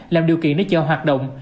làm điều kiện để chợ hoạt động